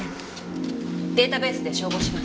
データベースで照合します。